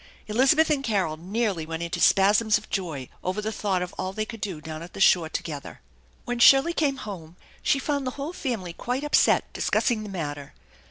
Eliza beth and Carol nearly went into spasms of joy over the thought of all they could do down at the shore together. When Shirley came home she found the whole family quite upset discussing the matter.